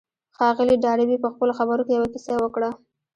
ښاغلي ډاربي په خپلو خبرو کې يوه کيسه وکړه.